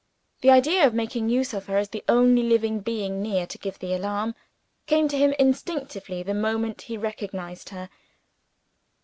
The idea of making use of her as the only living being near to give the alarm, came to him instinctively the moment he recognized her.